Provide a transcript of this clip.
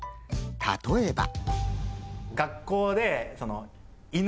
例えば。